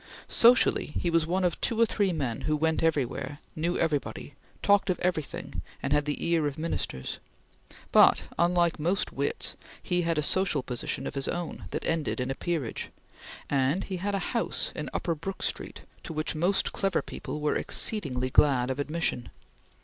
Socially, he was one of two or three men who went everywhere, knew everybody, talked of everything, and had the ear of Ministers; but unlike most wits, he held a social position of his own that ended in a peerage, and he had a house in Upper Brook Street to which most clever people were exceedingly glad of admission.